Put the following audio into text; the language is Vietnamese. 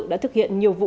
đã thực hiện nhiều vụ